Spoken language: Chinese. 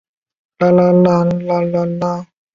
纪录片播出后在日本国内引起强烈反响。